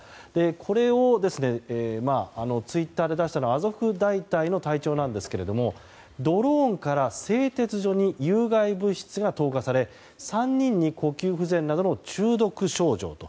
これをツイッターで出したのはアゾフ大隊の隊長なんですがドローンから製鉄所に有害物質が投下され３人に呼吸不全などの中毒症状と。